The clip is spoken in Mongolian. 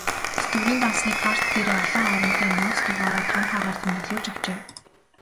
Тэтгэврийн дансны карт дээрээ олон оронтой нууц дугаараа том хараар тэмдэглүүлж авчээ.